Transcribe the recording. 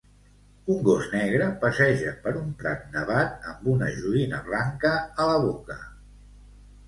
Un gos negre passeja per un prat nevat amb una joguina blanca a la boca.